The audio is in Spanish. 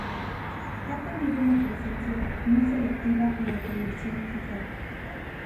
Ha tenido una presencia muy selectiva en la televisión mexicana.